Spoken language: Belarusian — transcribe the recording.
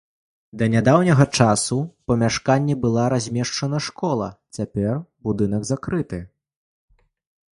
Да нядаўняга часу ў памяшканні была размешчана школа, цяпер будынак закрыты.